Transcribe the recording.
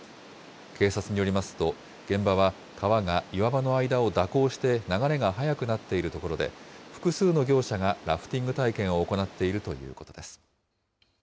警察によりますと、現場は、川が岩場の間を蛇行して流れが速くなっている所で、複数の業者がラフティング体験を行っているということです。